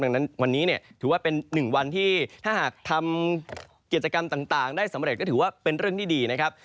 ดังนั้นวันนี้เนี่ยถือว่าเป็น๑วันที่ถ้าหากทำกิจกรรมต่างได้สำเร็จก็ถือว่าเป็นเรื่องที่ดีนะครับ